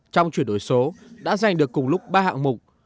trong chuyển đổi số đã giành được cùng lúc ba hạng mục